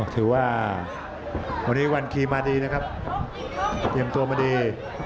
ถือว่าวันนี้วันคีมาดีนะครับเตรียมตัวมาดี